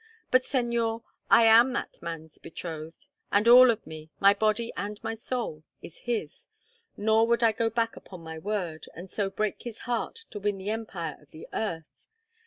But, Señor, I am that man's betrothed, and all of me, my body and my soul, is his, nor would I go back upon my word, and so break his heart, to win the empire of the earth.